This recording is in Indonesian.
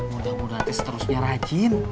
mudah mudahan tes terus biar rajin